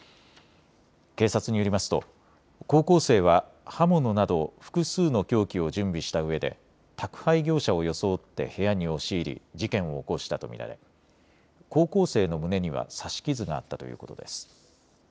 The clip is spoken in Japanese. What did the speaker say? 警察によりますと高校生は刃物など複数の凶器を準備したうえで宅配業者を装って部屋に押し入り事件を起こしたと見られ高校生の胸には刺し傷があったということです。